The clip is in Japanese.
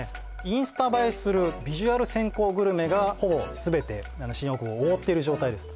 インスタ映えするビジュアル先行グルメがほぼ全て新大久保を覆っている状態です